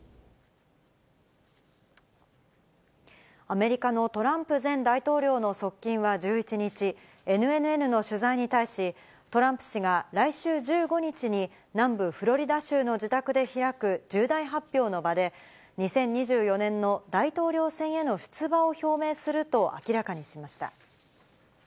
アメリカのトランプ前大統領の側近は１１日、ＮＮＮの取材に対し、トランプ氏が来週１５日に、南部フロリダ州の自宅で開く重大発表の場で、２０２４年の大統領選への出馬を表明すると明らかにしました。